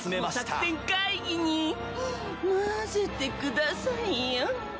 作戦会議に交ぜてくださいよ。